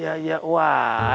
tidak ada perlawanan